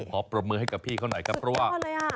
ขอประมือให้กับพี่เขาหน่อยครับ